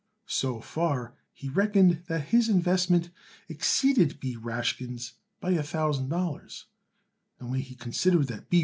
So far he reckoned that his investment exceeded B. Rashkin's by a thousand dollars, and when he considered that B.